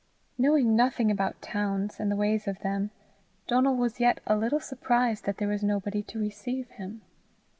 Knowing nothing about towns and the ways of them, Donal was yet a little surprised that there was nobody to receive him.